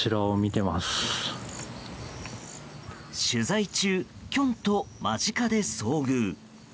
取材中、キョンと間近で遭遇。